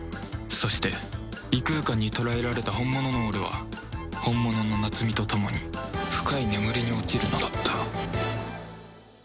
そして異空間に捕らえられた本物の俺は本物の夏美とともに深い眠りに落ちるのだった